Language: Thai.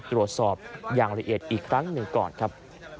ตรวจสอบอย่างละเอียดอีกครั้งหนึ่งก่อนครับ